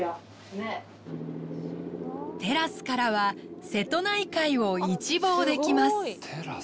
テラスからは瀬戸内海を一望できます。